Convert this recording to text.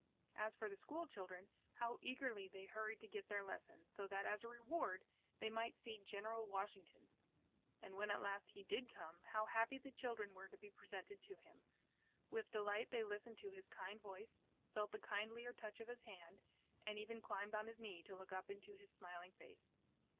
As for the school children, how eagerly they hurried to get their lessons, so that as a reward, they might see General Washington. And when at last he did come, how happy the children were to be presented to him. With delight, they listened to his kind voice, felt the kindlier touch of his hand, and even climbed on his knee to look up into his smiling face.